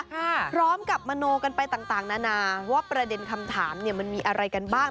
พร้อมกับมโนกันไปต่างต่างนานาว่าประเด็นคำถามเนี้ยมันมีอะไรกันบ้าง